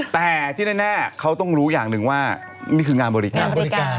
แต่ที่แน่เขาต้องรู้อย่างหนึ่งว่านี่คืองานบริการบริการ